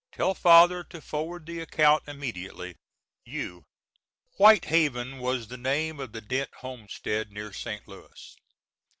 Tell father to forward the account immediately. U. [White Haven was the name of the Dent homestead near St. Louis.